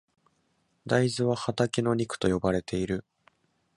大豆は畑の肉と呼ばれている。